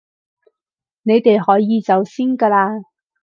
你哋可以走先㗎喇